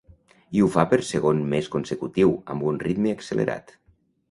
I ho fa per segon mes consecutiu amb un ritme accelerat.